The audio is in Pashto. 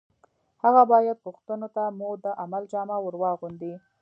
هغه باید غوښتنو ته مو د عمل جامه ور واغوندي